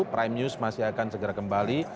prime news masih akan segera kembali